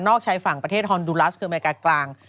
ชายฝั่งประเทศฮอนดูลัสคืออเมริกากลาง